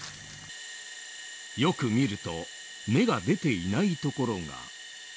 よく見ると芽が出ていない所が。